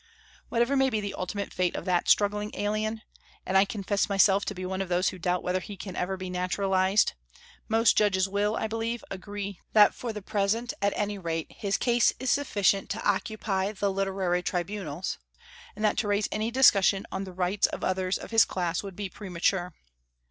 Whatever may be the ultimate fate of that struggling alien and I confess myself to be one of those who doubt whether he can ever be naturalized most judges will, I believe, agree that for the present at any rate his case is sufficient to occupy the literary tribunals, and that to raise any discussion on the rights of others of his class would be premature.